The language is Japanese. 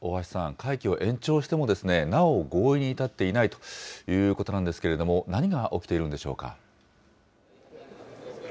大橋さん、会期を延長してもなお合意に至っていないということなんですけれども、何が起きているんでしょうか。